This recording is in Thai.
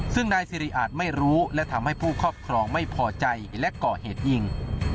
ซึ่งนายสิริอาจไม่รู้และทำให้ผู้ครอบครองไม่พอใจและก่อเหตุยิง